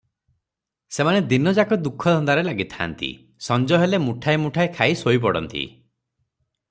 ସେମାନେ ଦିନ ଯାକ ଦୁଃଖଧନ୍ଦାରେ ଲାଗିଥାନ୍ତ, ସଞ୍ଜ ହେଲେ ମୁଠାଏ ମୁଠାଏ ଖାଇ ଶୋଇପଡନ୍ତି ।